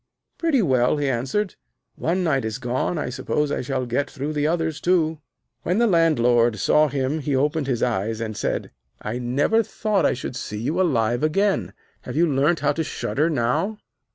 'Pretty well!' he answered. 'One night is gone, I suppose I shall get through the others too.' When the Landlord saw him he opened his eyes, and said: 'I never thought I should see you alive again. Have you learnt how to shudder now?'